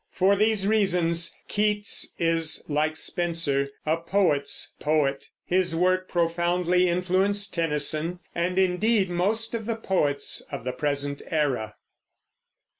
For these reasons Keats is, like Spenser, a poet's poet; his work profoundly influenced Tennyson and, indeed, most of the poets of the present era.